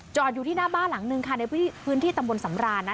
อยู่ที่หน้าบ้านหลังนึงค่ะในพื้นที่ตำบลสำราญนะ